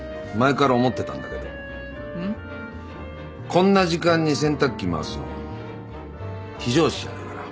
こんな時間に洗濯機回すの非常識じゃないかな？